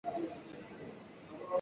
অন্য দল ঘরে দাঁড়ানোর সুযোগ পাবে।